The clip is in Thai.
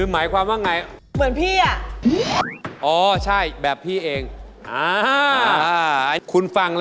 อ๋อมีติ๊กสอง